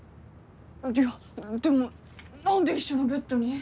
いやでも何で一緒のベッドに？